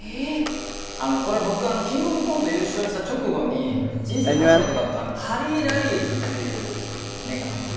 これ、僕がキングオブコント優勝した直後に、人生で初めて買ったハリーラリーズっていう眼鏡です。